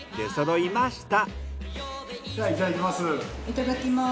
いただきます。